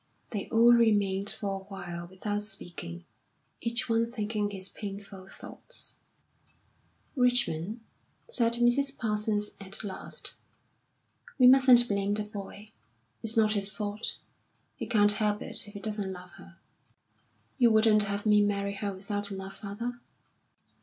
They all remained for a while without speaking, each one thinking his painful thoughts. "Richmond," said Mrs. Parsons at last, "we mustn't blame the boy. It's not his fault. He can't help it if he doesn't love her." "You wouldn't have me marry her without love, father?"